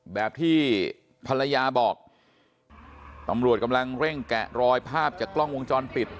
แบบที่ภรรยาบอกตำรวจกำลังเร่งแกะรอยภาพจากกล้องวงจรปิด